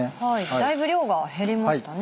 だいぶ量が減りましたね。